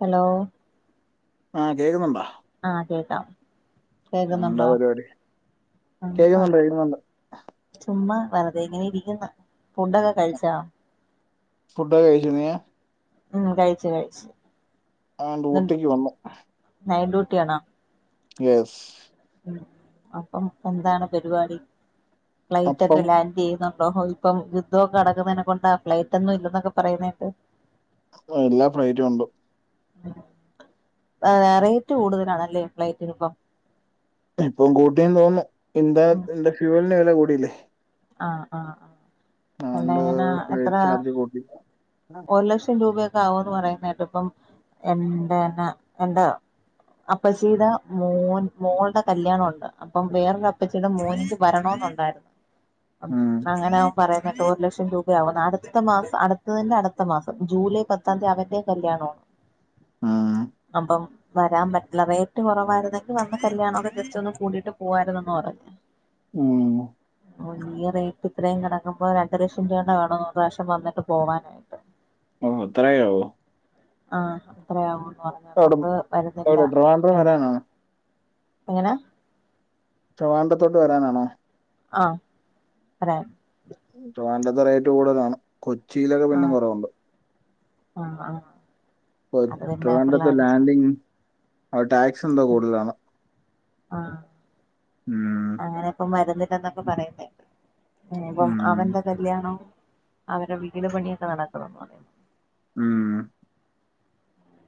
Hello. ആഹ്‌ കേക്കുന്ന്ണ്ടോ? ആഹ്‌ കേക്കാം എന്താ കേക്ക്ന്നുണ്ടോ പരിപാടി? ആഹാ. കേക്കുന്നുണ്ട് കേക്കുന്നുണ്ട്. ചുമ്മാ വെറ്തെ ഇങ്ങനെ ഇരിക്ക്ന്ന് ഫുഡൊക്കെ കഴിച്ചോ? ഫുഡ്‌ടൊക്കെ കഴിചിണേ. ഉം കഴിച്ച് കഴിച്ച്. ഏഹ് ഡ്യൂട്ടിക്ക് വന്നു. നൈ ഡ്യൂട്ടി ആണോ? യെസ്. ഉം അപ്പം എന്താണ് പരിപാടി അപ്പം ഫ്ലയ്റ്റൊക്കെ ലാൻഡെയ്ണോ? ഇപ്പം യുദ്ധം യുദ്ധൊക്കെ നടക്കുന്നേൻ കൊണ്ട ഫ്ലയ്റ്റൊന്നും ഇല്ലന്നൊക്കെ പറയ്ന്നേണ്ട്. എല്ലാ ഫ്ലൈറ്റും ഉണ്ട്. ഏഹ് റേറ്റ് കൂടുതലാണല്ലേ ഫ്ലൈറ്റിന് പ്പം? ഇപ്പം കൂട്ടീന്ന് തോന്നുന്നു എന്താ ഉം എന്ത ഫ്യൂവലിന്റെ വെല കൂടിയില്ലേ ആഹ് ആഹ് അതുകൊണ്ട് ആഹ് [unintelligible] എത്ര ഫ്ലൈറ്റ് ചാർജ് കൂട്ടി. ഒരു ലക്ഷം രൂപയൊക്കെ ആവുന്ന് പറയുന്നേട്ടു ഇപ്പം എന്റെന്നെ എന്റെ അപ്പച്ചീടെ മോൻ മോള്ടെ കല്യാണം ഉണ്ട് അപ്പം വേറൊരു അപ്പച്ചീടെ മോന്ക്ക് വരണന്നുണ്ടായിരുന്നു ഉം അങ്ങനെ പറയുന്നേട്ടു ഒരു ലക്ഷം രൂപയാവുന്ന് അട്ത്ത മാസം അട്ത്തതിന്റെ അട്ത്ത മാസം ജൂലൈ പത്താം തീയതി അവന്റെ കല്യാണാണ് ഉം അപ്പം വരാൻ പറ്റില്ല റേറ്റ് കൊറവായിരുന്നെങ്കി വന്ന് കല്യാണൊക്കെ ജസ്റ്റോന്ന് കൂടീട്ട് പോവാര്ന്ന് എന്ന് പറഞ്ഞ് ഉം ഓഹ് ഈ റേറ്റ് ഇത്രേയും കെടക്കുമ്പോ രണ്ട് ലക്ഷം രൂപാണ്ട് വേണോം ഒര്റാശ്യം വന്നിട്ട് പോവാനായിട്ട് ഓഹ് അത്രേയാവോ ആഹ് അത്രയാവൂന്ന് പറഞ്ഞ് അത് അവിടെ കൊണ്ട് വരുന്നില്ല എവിടെ ട്രിവാൻഡ്രം എന്ന് വരാനാണോ? എങ്ങനെ ട്രിവാൻഡ്രത്തോട്ട് വരാനാണോ ആഹ് അതെ ട്രിവാൻഡ്രത്ത് റേറ്റ് കൂട്തലാണ് കൊച്ചിയിലൊക്കെ പിന്നിം ആഹ് കൊറവ്ണ്ട് ആഹ് ആഹ് [unintelligible] അത് പിന്നെ ട്രിവാൻഡ്രത്ത് പിള്ളേർ ലാൻഡിങ് അത് ടാക്സെന്തോ കൂട്തലാണ് ആഹ് ഉം അങ്ങനെ ഇപ്പം വരുന്നില്ലന്നൊക്കെ പറയുമ്പേ ഇനിയിപ്പം ഉം അവന്റെ കല്യാണം അവരെ വീട് പണിയൊക്കെ നടക്കുന്നൂന്ന് പറയുന്നു ഉം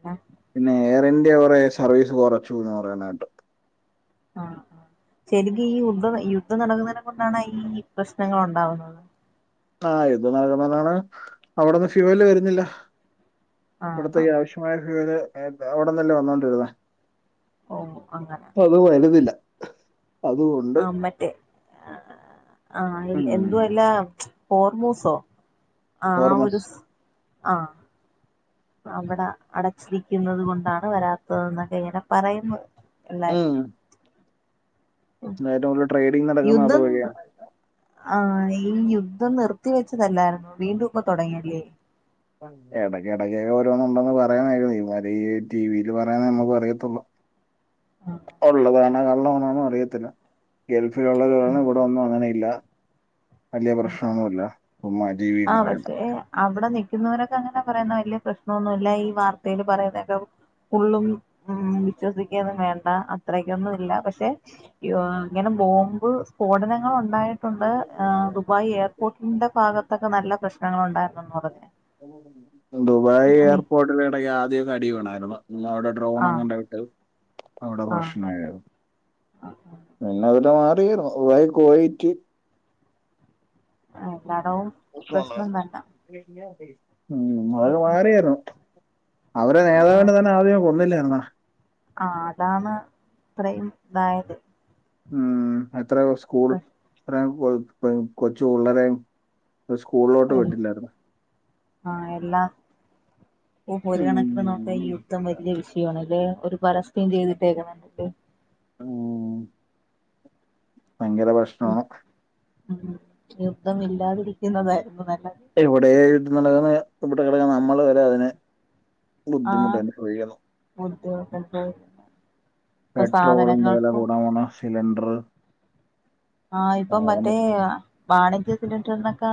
ആഹ് പിന്നെ എയർ ഇന്ത്യ കൊറേ സർവീസ് കൊറച്ചൂന്ന് പറയ്ന്ന കേട്ടു ആഹ് ആഹ് ശരിക്കും ഈ യുദ്ധം യുദ്ധം നടക്കുന്നതിനെ കൊണ്ടാണ് ഈ പ്രശ്നങ്ങള് ഉണ്ടാവുന്നത് ആഹ് ഇത് [unintelligible] അവിട്ന്ന് ഫ്യൂവല് വര്ന്നില്ല ആഹ് ഇവിടെത്തെ ഈ ആഹ് ആവശ്യ മായ ഫ്യൂവല് അവിട്ന്നല്ലെ വന്നോണ്ടിര്ന്നേ ഓഹ് അങ്ങനെ അത് വരുന്നില്ല അത് കൊ ആഹ് മറ്റേ ആഹ് എ ഉം എന്തുവല്ലാ പോർമൂസോ ആ ഹോർമസ് ഒരു സ് ആഹ് അവടെ അടച്ചിരിക്കുന്നത് കൊണ്ടാണ് വരാത്തത് എന്നൊക്കെ ഇങ്ങനെ പറയുന്നു എല്ലാരും ഉം [unintelligible] ട്രേഡിംഗ് നടക്ക്ന്നത് അത് യുദ്ധം വഴിയാണ് ആഹ് ഈ യുദ്ധം നിർത്തി വെച്ചതല്ലായിര്ന്നൊ വീണ്ടും ഇപ്പൊ തൊടങ്ങിയല്ലേ എടയ്ക്കെടക്കൊക്കെ ഓരോന്ന് ഉണ്ടെന്ന് പറയ്ന്ന കേക്ക്ന്നു ഈ മതിരി ഈ ടിവില് പറയ്ന്നേ നമുക്കും അറിയത്തൊള്ളൂ ഉള്ളതാണൊ കള്ളമാണൊന്നും അറിയത്തില്ല ഗൾഫില്ള്ളോരൊന്നും ഇവിടെ ഒന്നും അങ്ങനെ ഇല്ല വല്ല്യ പ്രശ്നൊന്നുല്ല ഉം [unintelligible] ആഹ് പക്ഷേ അവിടെ നിക്കുന്നവരൊക്കെ അങ്ങനെ പറയ്ന്നു വല്ല്യ പ്രശ്നൊന്നുല്ല ഈ വാർത്തേല് പറയ്ന്നൊക്കെ ഫുള്ളും ഉം വിശ്വസിക്കൊന്നും വേണ്ട അത്രയ്ക്കൊന്നും ഇല്ല പക്ഷെ യൊ ഇങ്ങനെ ബോംബ് സ്ഫോടനങ്ങള് ഉണ്ടായിട്ടുണ്ട് ഏ ദുബായ് എയർപോർട്ടിന്റെ ഭാഗ ത്തൊക്കെ നല്ല പ്രശ്നങ്ങള് ഉണ്ടായിരുന്നൂന്ന് പറഞ്ഞ് ദുബായ് അതെ. എയർപോർട്ടില് ഇടക്ക് ആദ്യോക്കെ അടി വീണായിര്ന്നു [unintelligible] ഡ്രോൺ ആഹ് അങ്ങാണ്ടോ ഇട്ട് അവിടെ ആഹ് പ്രശ്നായയിരുന്നു പിന്നെ അതൊക്കെ മാറി [unintelligible] കോളിറ്റി ആഹ് എല്ലാടോം [unintelligible] ഉം മഴ മാറിയാര്ന്നു അവര് നേതാവിനെ തന്നെ ആദ്യമേ കൊന്നില്ലായ്ര്ന്നോ ആഹ് അതാണ് ഇത്രയും ഇതായത് ഉം എത്രയോ സ്കൂൾ എത്രേം കൊ കൊച്ചു പിള്ളേരേം അത് സ്കൂള്ലോട്ട് വിട്ടില്ലായിരുന്നോ ആഹ് എല്ലാം പ്പോ ഒരു കണക്കിന് നോക്കിയാ ഈഹ് ഉം. യുദ്ധം വല്ല്യ വിഷയവാണ് ദേ ഒരു പരസ്യം ചെയ്തിട്ടേക്ക്ണ് ഉം ഭയങ്കര പ്രശ്നമാണ് ഉം യുദ്ധം ഇല്ലാതിരിക്കുന്നതായിരുന്നു നല്ലത് ഇപ്പ എവ്ടെ യുദ്ധം നടക്ക്ണ് ഇവടെളേ നമ്മള് വരെ അതിന് ആ ബുദ്ധിമുട്ട് അനുഭവിക്കുന്നു ബുദ്ധിമുട്ടൊക്കെ ഇപ്പൊ പെട്രോളിന്റെ വെല സാധനങ്ങൾക്കും കൂടാൻ പോണ് സിലിണ്ട്റ് ആഹ് ഇപ്പം മറ്റേ ആഹ് വാണിജ്യ സിലിണ്ടർനൊക്കെ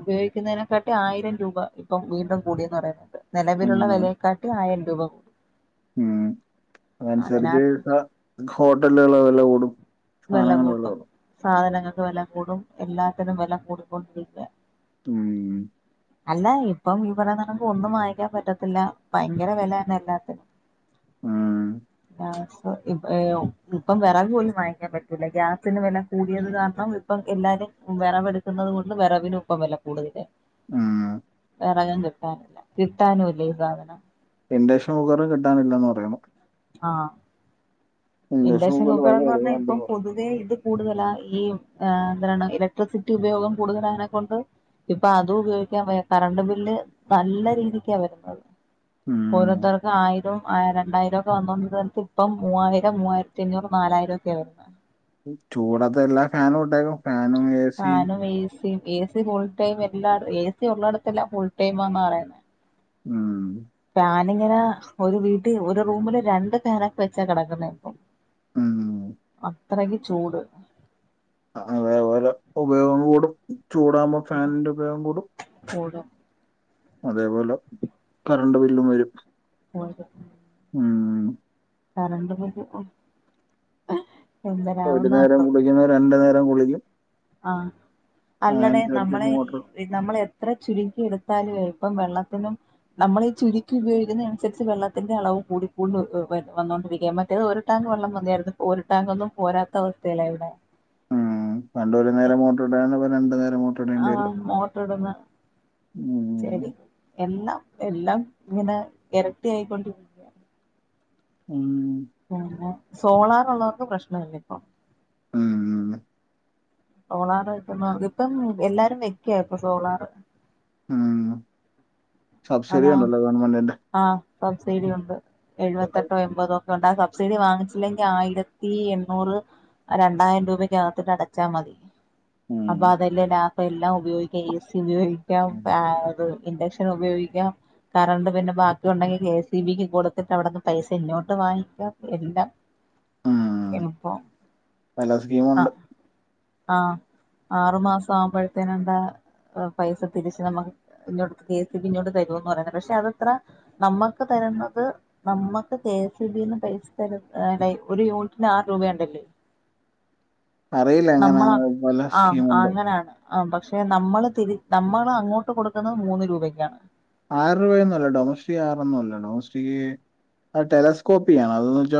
ഉപയോഗിക്കുന്നതിനെക്കാട്ടി ആയിരം രൂപ ഇപ്പം വീണ്ടും കൂടിയെന്ന് പറയുന്നേട്ടു ഉം നെലവിലുള്ള വെലയേക്കാട്ടി ആയിരം രൂപ കൂ ഉം അതനുസരിച്ച് ട്ടാ ഹോട്ടൽകൾലെ വെല കൂടും വെല സാധനങ്ങൾ വില കൂട്ടും കൂടും സാധനങ്ങൾക്ക് വെല കൂടും എല്ലാത്തിനും വെല കൂടിക്കൊണ്ടിരിക്കയാ ഉം [inaudible] അല്ല ഇപ്പം ഈഹ് പറയുന്നേനൊക്കെ ഒന്നും വാങ്ങിക്കാൻ പറ്റത്തില്ല ഭയങ്കര വെലേന് എല്ലാത്തിനും ഉം അഹ് ഇപ്പം വെറർക് പോലും വാങ്ങി പറ്റത്തില്ല ഗ്യാസിന് വെല കൂടിയത് കാരണം ഇപ്പം എല്ലാരും വിറവെടുക്കുന്നത് കൊണ്ട് വെറവിനും ഇപ്പം വെല കൂടുതല് ഉം വെറകും കിട്ടാല്ല കിട്ടാനും ഇല്ല ഈ സാധനം ഇൻഡക്ഷൻ കുക്കറും കിട്ടാനില്ലന്ന് പറയുന്നു ആഹ് ഇൻഡക്ഷൻ കുക്കറിന് കുക്കറെന്നു ഭയങ്കര പറഞ്ഞാ ഡിമാൻഡ് ഇപ്പം പാെതു ഇതേ ഇത് കൂടുതലാ ഈഹ് ആഹ് എന്തരേണ് ഇലക്ട്രിസിറ്റി ഉപയോഗം കൂടുതലായേനെക്കൊണ്ട് ഇപ്പം അതും ഉപയോഗിക്കാൻ വയ്യ കറണ്ട് ബില്ല് നല്ല രീതിക്കാ വരുന്നത് ഉം ഓരോത്തർക്ക് ആയിരോം ആഹ് രണ്ടായിരം ക്ക വന്നോണ്ടിരുന്നിടത്ത് ഇപ്പം മൂവ്വായിരം മുവ്വായിര്ത്തി അഞ്ഞൂറ് നാലായിരം ഒക്കെയാ വരുന്നെ ചൂടത്ത് എല്ലാ ഫാനും ഇട്ടേക്കും ഫാനും എ സിയും ഫാനും ഏസ് സീം എ സി ഫുൾ ടൈം എല്ലാട് ഏസി ഉള്ളെടത്തെല്ലാം ഫുൾ ടൈമാന്നാ പറയുന്നെ ഉം ഫാൻ ന്നിങ്ങനെ ഒരു വീട്ടി ഒരു റൂമില് രണ്ട് ഫാനൊക്കെ വെച്ചാ കെടക്കുന്നേ ഇപ്പം ഉം അത്രക്ക് ചൂട് അതെ ഓരോ ഉപയോഗം കൂടും ചൂടാവുമ്പം ഫാനിന്റെ ഉപയോഗം കൂടും കൂടും അതേപോലെ കര കരണ്ടു ബില്ലും വരും മുവ്വായിരന്നെ ഉം കറണ്ട് പോക്ക് ഇപ്പം ഏഹ് ഒരു നേരം കുളിക്കുന്ന രണ്ടു നേരം കുളിക്കും ആഹ് അല്ലടെ അതനുസരിച്ച് നമ്മളെ മോട്ടർ ഈ നമ്മൾ എത്ര ചുരുക്കി എടുത്താലുവേ ഇപ്പം വെള്ളത്തിനും നമ്മളീ ചുര്ക്കി ഉപയോഗിക്ക്ന്ന അന്സരിച്ച് വെള്ളത്തിന്റെ അളവ് കൂടിക്കൂടി വന്നോണ്ടിരിക്ക മറ്റേത് ഒര് ടാങ്ക് വെള്ളം മതിയാർന്നു ഇപ്പൊ ഒര് ടാങ്കൊന്നും പോരാത്ത അവസ്ഥേല ഇവടെ ഉം. പണ്ട് ഒരു നേരം മോട്ട്ര് ഇട ഇപ്പ രണ്ട് നേരം മോട്ട്ര് ആഹ് മോട്ട്ര് ഇട്ന്നെ ശരി ഉം. എല്ലാം എല്ലാം ഇങ്ങനെ എരട്ടി ആയിക്കൊണ്ടിരി ഉം പിന്നെ സോളാറുള്ളോർക്ക് പ്രശ്നല്ല ഇപ്പൊ ഉം ഉം സോളാറ് ഇപം ഇപ്പം എല്ലാരും വെക്ക ഇപ്പ സോളാറ് ഉം അതാ സബ്സീഡിയുണ്ടല്ലൊ ഗവൺമെന്റിന്റെ ആഹ് സബ്സീഡിയുണ്ട് എഴുവത്തെട്ടൊ എമ്പതൊ തോണ്ട ആഹ് സബ്സീഡി വാങ്ങിച്ചില്ലെങ്കി ആയിരത്തി എണ്ണൂറ് രണ്ടായിരം രൂപയ്ക്കകത്ത്ട്ട് അടച്ചാ മതി ഉം. അപ്പ അതല്ലെ ലാഭം എല്ലാം ഉപയോഗിക്ക ഏ സി ഉപയോഗിക്കാം ഉം. പ്പ ആത് ഇന്റക്ഷൻ ഉപയോഗിക്കാം കറണ്ട് പിന്നെ ബാക്കി ഉണ്ടെങ്കി കെ സീ ബിക്ക് കൊട്ത്തിട്ട് അവിടന്ന് പൈസ ഇങ്ങോട്ട് വാങ്ങിക്ക എല്ലാം ഉം. ഇപ്പൊ പല സ്കീമുണ്ട്. ആഹ് ആഹ് ആറ് മാസം ആവുമ്പഴത്തിനെന്താ പൈസ തിരിച്ച് നമ്മക്ക് ഇങ്ങോട്ട് കെ സീ ബി ഇങ്ങോട്ട് തരുവെന്ന് പറയുന്ന് പക്ഷെ അതത്ര നമ്മക്ക് തര്ന്നത് നമ്മക്ക് കെ സി ബീന്ന് പൈസ തര് ഒര് യൂണിറ്റ്ന് ആറ് രൂപയുണ്ടല്ലെ അറിയില്ല നമ്മള എങ്ങനെയാണ് പല ആഹ് സ്കീമുണ്ട്. അങ്ങനേണ് ആഹ് പക്ഷെ നമ്മള് തിരി നമ്മള് അങ്ങോട്ട് കൊടുക്ക്ന്നത് മൂന്ന് രൂബക്കാണ് ആറ് രൂബയൊന്നുല്ല ടൊമസ്റ്റി ആറൊന്നു അല്ല ടൊമസ് റ്റി അത് ടെലസ്കോപ്പിയ്യണം അതെന്ന് വെച്ച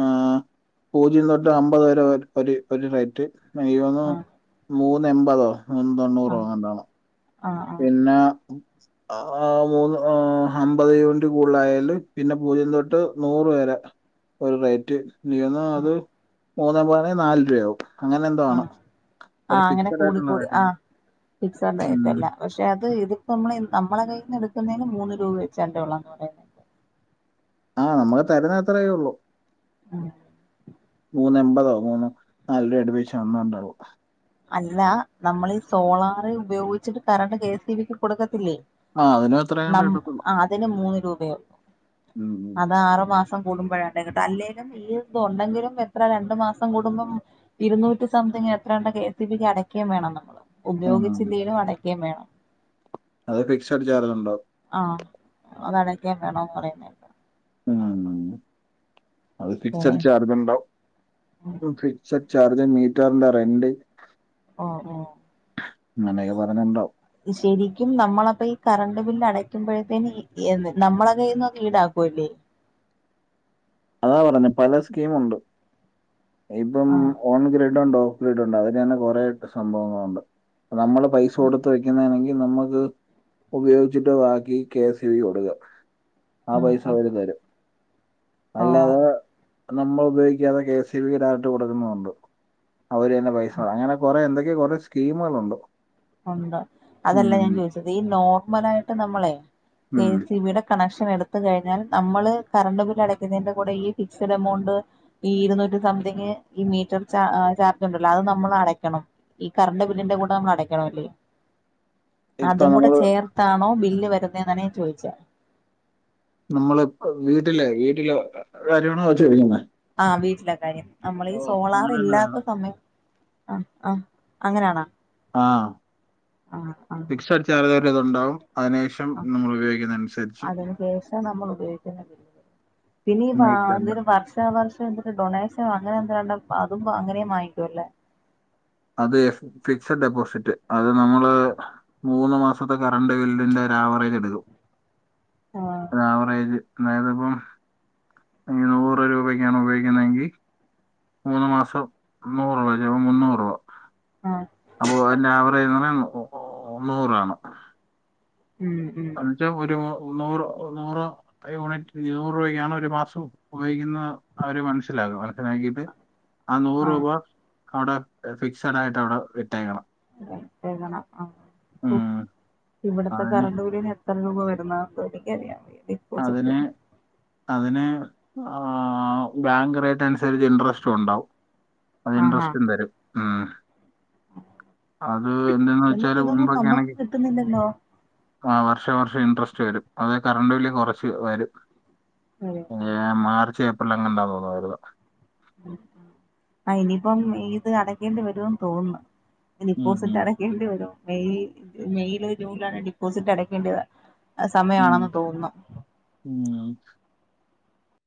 ഏഹ് പൂജ്യം തൊട്ട് അമ്പത് വരെ ഒര് ഒര് റൈറ്റ് മെയ് വനൊ ആഹ് മൂന്ന് എമ്പതൊ മൂന്ന് തൊണ്ണൂറൊ ആഹ് അങ്ങനെന്താണൊ ആഹ് ആഹ് പിന്നാ ആഹ് മൂന്ന് ആഹ് അമ്പത് യൂൺറ്റ് കൂട്ലായാല് പിന്ന പൂജ്യം തൊട്ട് നൂറ് വരെ ഒര് റേറ്റ് നീന്ന് ആഹ് അത് മൂന്നെ പോയണൽ നാല് രൂപയാകും അങ്ങനെന്തൊ ആണ് ആഹ് ഒരു ഫിക്സ്ഡായിട്ടുള്ള റൈറ്റല്ല ഫിക്സ്ഡ് റൈറ്റല്ല പക്ഷെ അത് ഇതിപ്പോ മ്മളെ നമ്മള കയ്യ്ന്ന് എട്ക്ക്ന്നേന് മൂന്ന് രൂപ വെച്ചാൺണ്ടെ ഉള്ളന്ന് പറയ്ന്ന് ആഹ് നമ്മള് തര്ന്നത്രയെ ഉള്ളു ആഹ് മൂന്നെ എമ്പതൊ മൂന്നൊ നാൽരൂബ അട്പ്പിച്ച് വന്നണ്ടാവു അല്ല നമ്മളീ സോളാറ് ഉപയോഗിച്ച്ട്ട് കറണ്ട് കെ സി ബിക്ക് കൊട്ക്കത്തില്ലെ ആ അതിനും അത്രയും ന്നമ്മ് കിട്ടത്തുള്ളൂ ആഹ് അതിന് മൂന്ന് രൂബയാവും അത് ഉം ആറു മാസം സം കൂടുമ്പഴാടി കിട്ട അല്ലേലും ഈ ഇത് ഉണ്ടെങ്കിലും എത്ര രണ്ട് മാസം കൂടുമ്പൊ ഇരുന്നൂറ്റി സംതിങ് എത്രണ്ടെ കേ എസ് ഇ ബി ക്ക് അടക്കെ വേണം നമ്മള് ഉം. ഉപയോഗിച്ചില്ലേലും അടക്കെ വേണം. അത് ഫിക്സട് ചാർജ് ഇണ്ടോ? ആഹ്, അത് അടയ്ക്കെ വേണോന്ന് പറയുന്നെ. ആഹ്, അത് പിന്നെ ഫിക്സഡ് ചാർജുണ്ടാവും. ഇപ്പൊ ഫിക്സഡ് ചാർജ് മീറ്ററിന്റെ റെന്റ് ഓഹ്, ഓഹ് ഇങ്ങനെയൊക്കെ ഇപ്പ അതിന് ഇണ്ടാവും ഈ ശരിക്കും നമ്മളപ്പ ഈ കറണ്ട് ബില്ല് അടയ്ക്കുമ്പഴത്തേന് [unintelligible] നമ്മള കയ്യിന്നത് ഈടാക്കുവല്ലെ അതാ പറഞ്ഞെ പല സ്കീമുണ്ട്. ഇപ്പം ആഹ് ഓൺ ഗ്രിഡ് ഉണ്ട് ഓഫ് ഗ്രിഡ് ഉണ്ട്. അതില് തന്നെ കുറെ സംഭവങ്ങളുണ്ട്. നമ്മള് പൈസ കൊടുത്ത് വെക്കുന്നതാണെങ്കിൽ നമ്മക്ക് ഉപയോഗിച്ചിട്ട് ബാക്കി കെ എസ് ഇ ബി ക്ക് കൊടുക്കാം. ആ ആഹ് പൈസ ആഹ് അവര് തരും. അല്ലാതെ ഓഹ് നമ്മള് ഉപയോഗിക്കാതെ കെ. എസ് ഇബി ക്ക് ഡയറക്റ്റ് കൊടുക്കുന്നുണ്ട്. അവര് തന്നെ പൈസ അങ്ങനെ കൊറെ എന്തൊക്കെയൊ കൊറേ സ്കീമുകളുണ്ട്. ഉണ്ട്. അതല്ല ഉം ഞാൻ ചോദിച്ചത് ഈ നോർമലായിട്ട് നമ്മളെ കെ ഉം എസ് ഇ ബി യുടെ കണക്ഷൻ എടുത്ത് കഴിഞ്ഞാൽ നമ്മള് കറണ്ട് ബിൽ അടക്കുന്നതിന്റെ കൂടെ ഈ ഫിക്സ്ഡ് എമൗണ്ട് ഈ ഇരുന്നൂറ്റി സംതിങ്ങ്, ഈ മീറ്റർ ചാ ചാർജ് ഉണ്ടല്ലോ, അത് നമ്മൾ അടയ്ക്കണം. ഈ കറണ്ട് ബില്ലിന്റെ കൂടെ നമ്മളട ക്കണോല്ലെ, ഇപ്പൊ അതും കൂടെ നമ്മള് ചേർത്താണോ ബില്ല് വരുന്നേ എന്നാണ് ഞാൻ ചോദിച്ചേ. നമ്മള് ഇപ്പൊ വീട്ടിലെ, വീട്ടിലെ കാര്യങ്ങളാണോ ചോദിക്കുന്നത് ആഹ്. വീട്ടിലെ കാര്യം. നമ്മളീ ഓ സോളാർ അങ്ങനെ തന്നെ വരണം ഇല്ലാത്ത സമയം ആഹ്, ആഹ് അങ്ങനെയാണോ? ആഹ് ഉ [inaudible] ഫിക്സഡ് ചാർജ് വരെ അതുണ്ടാവും. അതിനുശേഷം ആഹ് നമ്മള് ഉപയോഗിക്കുന്നതനുസരിച്ച് അതിന് ശേഷ നമ്മള് ഉപയോ പിന്നെ ഈ വാ അന്നേരം വർഷ ഷാ വർഷം ഇവര് ഡൊണേഷൻ, അങ്ങനെ എന്താണ്ട് അതും അങ്ങനെയും വാങ്ങിക്കും അല്ലേ. അത് ഫിക്സഡ് ഡെപ്പോസിറ്റ്, അത് നമ്മള് മൂന്ന് മാസത്തെ കറണ്ട് ബില്ലിന്റെ ഒരു ആവറേജ് എടുക്കും. ആഹ് ഒര് ആവറേജ് അതായത് ഇപ്പം നൂറ് രൂപക്കാണ് ഉപയോഗിക്കുന്നതെങ്കിൽ മൂന്ന് മാസം നൂറ് രൂപ വെരും അപ്പൊ മുന്നൂറ് രൂപ. ആഹ് അപ്പൊ അതിന്റെ ആവറേജ് എന്ന് പറഞ്ഞാൽ [unintelligible] നൂറാണ്. ഉം ഉം എന്ന് വെച്ചാൽ ഒരു നൂ നൂറ്, നൂറ് യൂണിറ്റ് ഇരുനൂറ് രൂപക്കാണ് ഒരു മാസം വാങ്ങിക്കുന്ന അവര് മനസ്സിലാക്കും. മനസിലാക്കിയിട്ട്. ആ നൂറ് ആഹ് രൂപ അവിടെ ഫിക്സഡ് ആയിട്ട് അവിടെ ഇട്ടേക്കണം. ഇട്ടേക്കണം ആഹ്, ഉം ഇവിടത്തെ അതിന് കറണ്ട് ബില്ല്ന് എ ത്ര രൂപ വരുന്നാന്ന് എനിക്കറിയാൻ വയ്യലെ അതിന്, അതിന് ആഹ് ബാങ്ക് റേറ്റ് അനുസരിച്ച് ഇൻട്രസ്റ്റു ഉണ്ടാവും. അത് ആഹാ ഇൻട്രസ്റ്റും തരും. ഉം അത് എന്തിനെന്നു എന്നിട്ട് വെച്ചാല് ഇതൊന്നും മുമ്പൊക്കെ നമ്മക്ക് ആണെങ്കിൽ കിട്ടുന്നില്ലല്ലോ ആ വർഷം, വർഷം ഇൻട്രസ്റ്റ് വരും. അതിന് കറണ്ട് ബില്ല് കുറച്ച് വരും. അതെ ഇല്ല മാർച്ച്, ഏപ്രിൽ അങ്ങനെ എന്തോ ആണ് വരുന്നെ ആ ഇനിയിപ്പം ഇത് അടക്കേണ്ടി വരുമെന്ന് തോന്നുന്നു. ഉം ഡിപ്പോസിറ്റ് അട ക്കേണ്ടി വരും മെയ് മെയില്, ജൂണിലാണ് ഡിപ്പോസിറ്റ് അടക്കേണ്ടത് ആ ഉം സമയമാണെന്ന് തോന്നുന്നു ഉം.